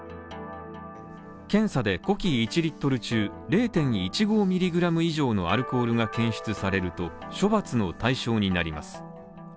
検査で呼気１Ｌ中０．１５ｍｇ以上のアルコールが検出されると、処罰の対象になります。